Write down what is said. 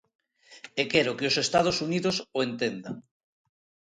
E quero que os Estados Unidos o entendan.